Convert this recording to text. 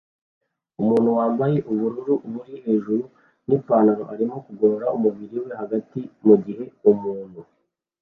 Umuntu wambaye ubururu bubi hejuru nipantaro arimo kugorora umubiri we hagati mugihe umuntu